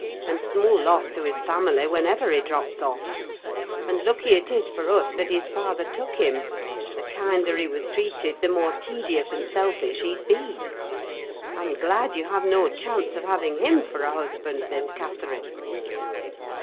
And small loss to his family whenever he drops off. And lucky it is for us that his father took him: the kinder he was treated, the more tedious and selfish he'd be. I'm glad you have no chance of having him for a husband, Miss Catherine."